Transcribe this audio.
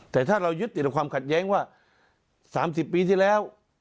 แต่ถ้าเรายึดติดกับความขัดแย้งว่า๓๐ปีที่แล้ว